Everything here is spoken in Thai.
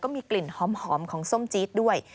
มีกลิ่นหอมของส้มจี๊ดด้วย